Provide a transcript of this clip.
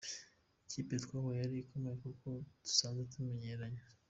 Ikipe twahuye yari ikomeye, kuko dusanzwe tumenyeranye.